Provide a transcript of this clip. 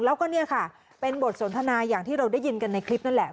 แล้วก็เนี่ยค่ะเป็นบทสนทนาอย่างที่เราได้ยินกันในคลิปนั่นแหละ